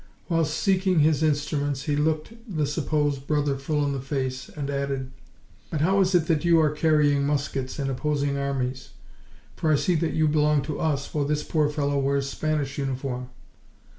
While seeking his instruments, he looked the supposed brother full in the face, and added— "But how is it that you are carrying muskets in opposing armies, for I see that you belong to us, while this poor fellow wears Spanish uniform?"